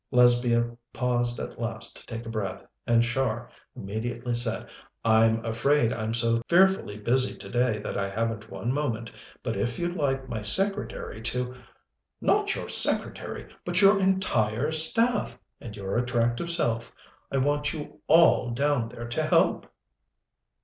Lesbia paused at last to take breath, and Char immediately said: "I'm afraid I'm so fearfully busy today that I haven't one moment, but if you'd like my secretary to " "Not your secretary, but your entire staff, and your attractive self. I want you all down there to help!"